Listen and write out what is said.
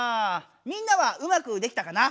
みんなはうまくできたかな？